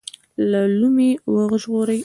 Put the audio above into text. له لومې وژغوري.